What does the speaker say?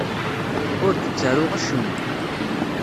Ur d-ttaruɣ acemma.